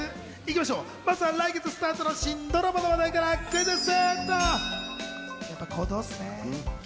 まずは来月スタートの新ドラマの話題からクイズッス。